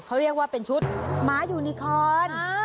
เขาเรียกว่าเป็นชุดม้ายูนิคอน